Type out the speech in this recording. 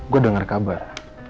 gue dengar kabar